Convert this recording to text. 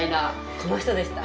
この人でした。